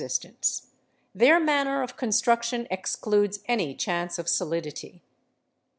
sistance—their manner of construction excludes any chance of solidity, _ Fig.